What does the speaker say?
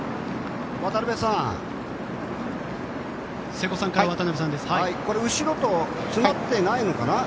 渡辺さん、後ろと詰まってないのかな。